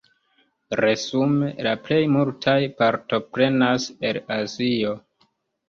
Resume la plej multaj partoprenas el Azio.